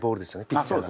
ピッチャーが。